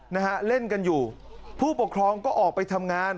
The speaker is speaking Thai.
นะฮะเล่นกันอยู่ผู้ปกครองก็ออกไปทำงาน